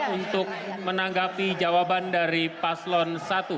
untuk menanggapi jawaban dari paslon satu